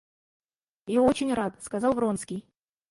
Я очень рад, — сказал Вронский.